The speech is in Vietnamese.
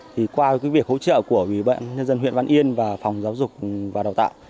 thì qua việc hỗ trợ của bệnh nhân dân huyện văn yên và phòng giáo dục và đào tạo